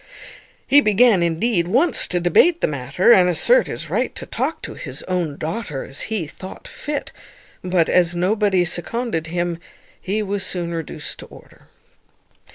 He began, indeed, once to debate the matter, and assert his right to talk to his own daughter as he thought fit; but, as nobody seconded him, he was soon reduced to order.